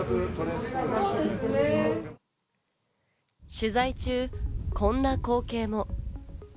取材中、こんな光景も。